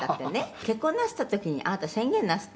「結婚なすった時にあなた宣言なすったんですって？」